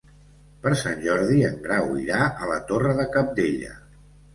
Per Sant Jordi en Grau irà a la Torre de Cabdella.